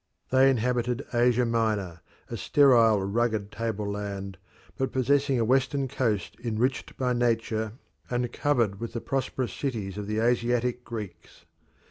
They inhabited Asia Minor, a sterile, rugged tableland, but possessing a western coast enriched by nature and covered with the prosperous cities of the Asiatic Greeks.